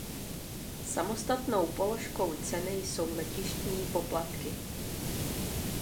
Samostatnou položkou ceny jsou letištní poplatky.